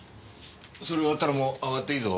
それ終わったらもう上がっていいぞ。